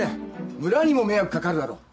村にも迷惑かかるだろ。